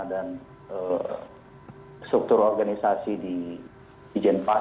dan struktur organisasi di jenpas